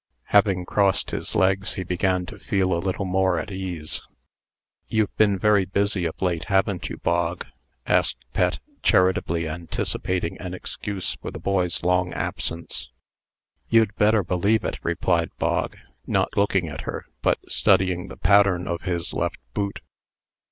Having crossed his legs, he began to feel a little more at ease. "You've been very busy of late, haven't you, Bog?" asked Pet, charitably anticipating an excuse for the boy's long absence. "You'd better believe it," replied Bog, not looking at her, but studying the pattern of his left boot.